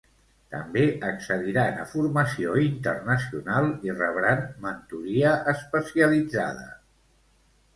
També accediran a formació internacional i rebran mentoria especialitzada.